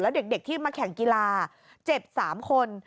แล้วเด็กที่มาแข่งกีฬาเจ็บ๓คน